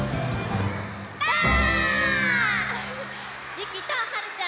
ゆきとはるちゃん